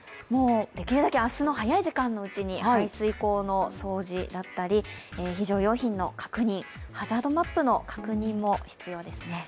できるだけ明日朝の早い時間に排水溝の掃除だったり、非常用品の確認、ハザードマップの確認も必要ですね。